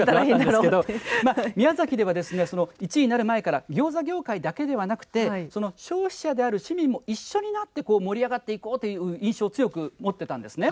宮崎では１位になる前からギョーザ業界だけではなくて消費者である市民も一緒になって盛り上げていこうという印象を強く持っていたんですね。